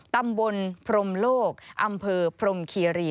ตำบลพรมโลกอำเภอพรมคีรี